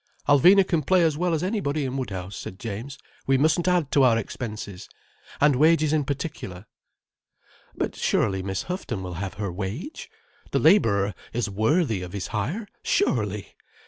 "Alvina can play as well as anybody in Woodhouse," said James. "We mustn't add to our expenses. And wages in particular—" "But surely Miss Houghton will have her wage. The labourer is worthy of his hire. Surely!